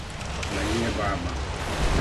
Mayie Baba!